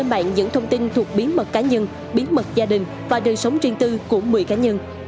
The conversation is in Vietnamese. bản những thông tin thuộc bí mật cá nhân bí mật gia đình và đời sống riêng tư của một mươi cá nhân